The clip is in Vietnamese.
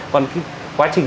còn quá trình